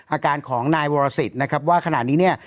อาการของนายวรสิทธิ์นะครับว่าขณะนี้เนี่ย